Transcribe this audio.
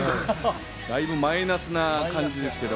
マイナスな感じですけど。